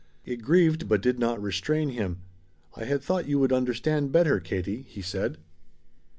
It grieved, but did not restrain him. "I had thought you would understand better, Katie," he said.